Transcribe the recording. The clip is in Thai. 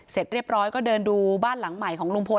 เสร็จเรียบร้อยก็เดินดูบ้านหลังใหม่ของลุงพล